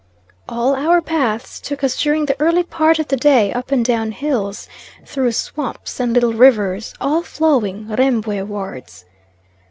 All our paths took us during the early part of the day up and down hills, through swamps and little rivers, all flowing Rembwe wards.